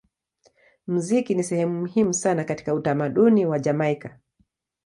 Muziki ni sehemu muhimu sana katika utamaduni wa Jamaika.